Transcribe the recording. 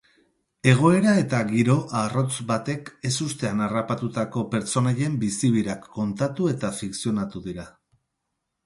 Egoera eta giro arrotz batek ezustean harrapatutako pertsonaien bizi-birak kontatu eta fikzionatu dira.